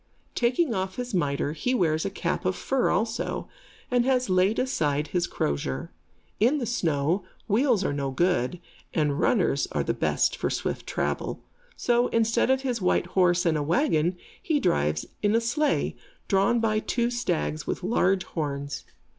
Taking off his mitre, he wears a cap of fur also, and has laid aside his crozier. In the snow, wheels are no good, and runners are the best for swift travel. So, instead of his white horse and a wagon, he drives in a sleigh, drawn by two stags with large horns.